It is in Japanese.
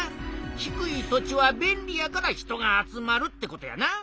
低い土地は便利やから人が集まるってことやな。